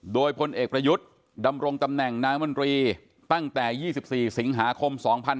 โดยพลเอกประยุทธ์ดำรงตำแหน่งนายมนตรีตั้งแต่๒๔สิงหาคม๒๕๕๙